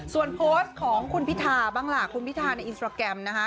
ส่วนโพสต์ของคุณพิธาบ้างล่ะคุณพิธาในอินสตราแกรมนะคะ